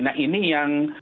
nah ini yang